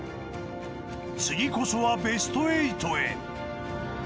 次こそはベスト８へ。